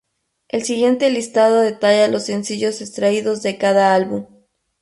El siguiente listado detalla los sencillos extraídos de cada álbum.